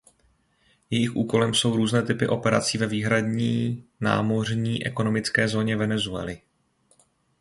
Jejich úkolem jsou různé typy operací ve výhradní námořní ekonomické zóně Venezuely.